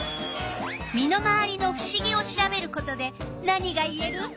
身の回りのふしぎを調べることで何がいえる？